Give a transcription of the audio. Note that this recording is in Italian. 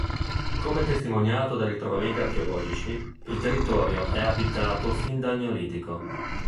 Come testimoniato da ritrovamenti archeologici, il territorio è abitato fin dal neolitico.